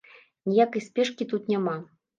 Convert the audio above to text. Ніякай спешкі тут няма.